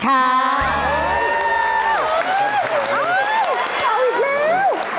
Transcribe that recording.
โอเคเอาอีกแล้ว